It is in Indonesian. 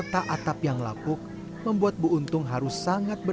tidak takut ambruk atau bagaimana bu